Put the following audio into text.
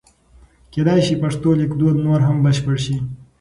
کېدای شي پښتو لیکدود نور هم بشپړ شي.